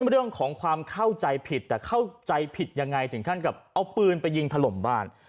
เรื่องของความเข้าใจผิดแต่เข้าใจผิดยังไงถึงขั้นกับเอาปืนไปยิงถล่มบ้าน